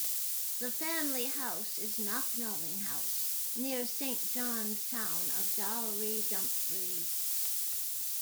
The family house is Knocknalling House, near Saint John's Town of Dalry, Dumfries.